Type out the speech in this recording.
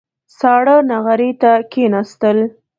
ساړه نغري ته کېناستل.